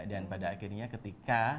dan pada akhirnya ketika